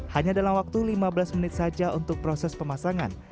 hanya dalam waktu lima belas menit saja untuk proses pemasangan